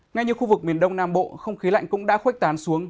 ngay như khu vực miền đông nam bộ không khí lạnh cũng đã khuếch tán xuống